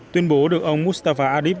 tuyên bố được ông mustafa adib